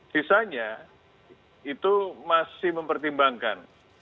sisanya itu masih mempertimbangkan